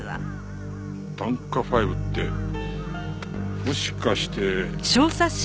檀家ファイブってもしかして。